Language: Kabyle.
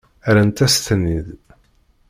Rrant-asen-ten-id.